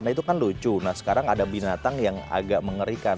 nah itu kan lucu nah sekarang ada binatang yang agak mengerikan